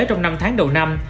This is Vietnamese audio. trong năm tháng đầu năm